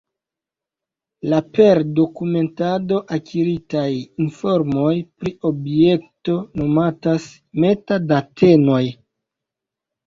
La per dokumentado akiritaj informoj pri objekto nomatas meta-datenoj.